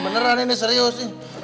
beneran ini serius neng